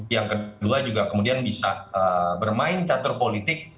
yang kedua juga kemudian bisa bermain catur politik